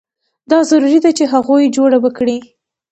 دا ضروري ده چې هغه جوړه وکړي.